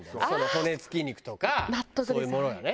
骨付き肉とかそういうものがね。